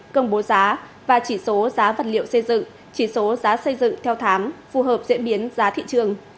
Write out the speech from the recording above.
công bố giá và chỉ số giá vật liệu xây dựng chỉ số giá xây dựng theo thám phù hợp diễn biến giá thị trường